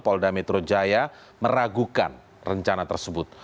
polda metro jaya meragukan rencana tersebut